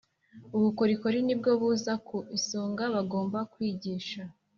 Ubukorikori nibwo buza ku isonga bagomba kwigisha